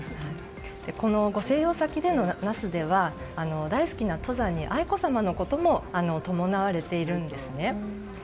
このご静養先の那須では大好きな登山に愛子さまのことも伴われているんですね。